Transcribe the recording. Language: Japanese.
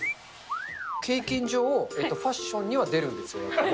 経験上、ファッションには出るんですよ、やっぱり。